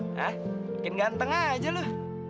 mungkin ganteng aja lo